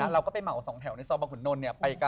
เราไปเหมา๒แถวในเซทแสบขุ้นน้อยลงไปกัน